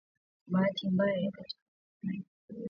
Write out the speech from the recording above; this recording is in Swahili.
bahati mbaya kati ya Marekani na Urusi